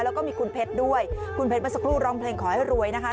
แล้วก็มีคุณเพชรด้วยคุณเพชรเมื่อสักครู่ร้องเพลงขอให้รวยนะคะ